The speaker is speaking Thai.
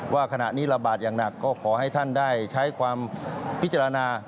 ว่าขณะนี้ระบาดอย่างหนักก็ขอให้ท่านได้ใช้ความพิจารณา